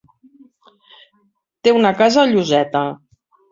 Té una casa a Lloseta.